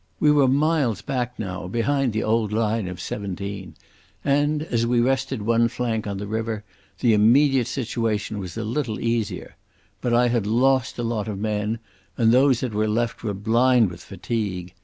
We were miles back now, behind the old line of '17, and, as we rested one flank on the river, the immediate situation was a little easier. But I had lost a lot of men, and those that were left were blind with fatigue.